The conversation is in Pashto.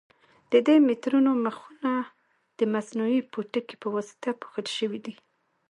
د دې مترونو مخونه د مصنوعي پوټکي په واسطه پوښل شوي دي.